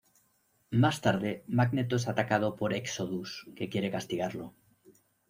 Más tarde, Magneto es atacado por Exodus, que quiere castigarlo.